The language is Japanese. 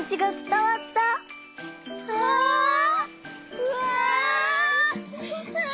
うわ！